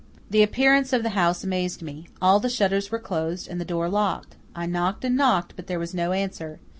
The appearance of the house amazed me. All the shutters were closed and the door locked. I knocked and knocked, but there was no answer.